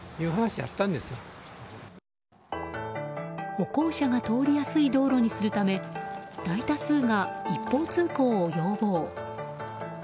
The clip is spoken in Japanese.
歩行者が通りやすい道路にするため大多数が一方通行を要望。